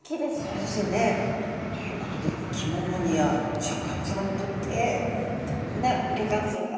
そうですよね。ということで肝マニアシャーク香音さまにとってどんなギョ感想が。